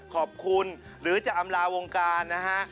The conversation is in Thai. ขอบคุณหรือจะอำลาวงการนะฮะ